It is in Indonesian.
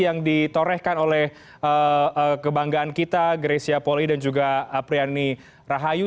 yang ditorehkan oleh kebanggaan kita grecia poli dan juga apriani rahayu